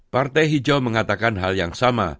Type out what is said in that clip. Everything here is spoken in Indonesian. partai hijau mengatakan hal yang sama